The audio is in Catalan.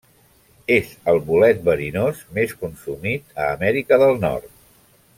És el bolet verinós més consumit a Amèrica del Nord.